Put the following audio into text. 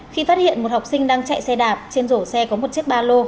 khi phát hiện một học sinh đang chạy xe đạp trên rổ xe có một chiếc ba lô